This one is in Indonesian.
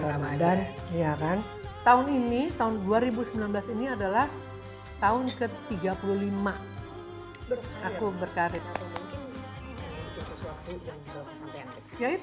ramadhan ya kan tahun ini tahun dua ribu sembilan belas ini adalah tahun ke tiga puluh lima aku berkarir itu yang tur di kota kota